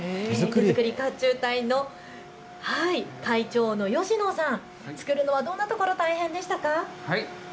手づくり甲冑隊の会長の吉野さん、作るのはどんなところが大変でしたか。